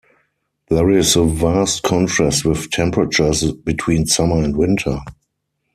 There is a vast contrast with temperatures between summer and winter.